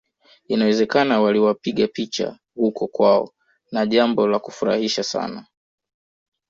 Inawezekana waliwapiga picha huko kwao na jambo la kufurahisha sana